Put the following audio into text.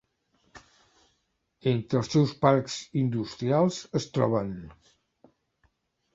Entre els seus parcs industrials es troben: